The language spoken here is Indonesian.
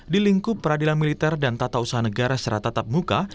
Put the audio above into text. di lingkup peradilan militer dan tata usaha negara secara tatap muka